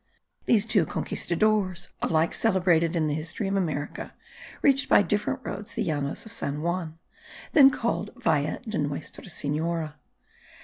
These two conquistadores, alike celebrated in the history of America, reached by different roads the llanos of San Juan, then called Valle de Nuestra Senora.